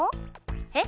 えっ？